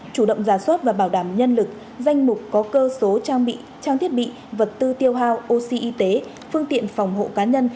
chủ động giả soát và bảo đảm nhân lực danh mục có cơ số trang bị trang thiết bị vật tư tiêu hao oxy y tế phương tiện phòng hộ cá nhân